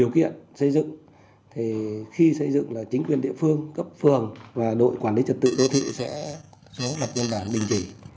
khi xây dựng chính quyền địa phương cấp phường đội quản lý trật tự đô thị sẽ số lập văn bản bình chỉ